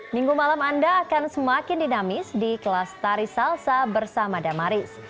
minggu malam anda akan semakin dinamis di kelas tari salsa bersama damaris